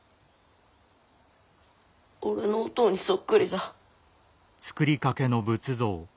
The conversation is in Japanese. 俺のおとうにそっくりだ。